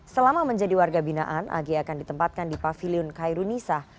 selama menjadi warga binaan ag akan ditempatkan di pavilion khairunisah